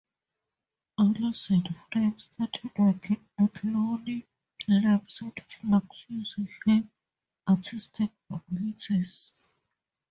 Alison Frame started working at Looney Labs with Fluxx using her artistic abilities.